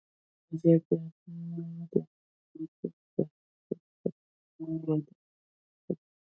ازادي راډیو د د انتخاباتو بهیر د مثبتو اړخونو یادونه کړې.